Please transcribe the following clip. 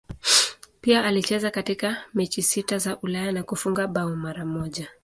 Pia alicheza katika mechi sita za Ulaya na kufunga bao mara moja.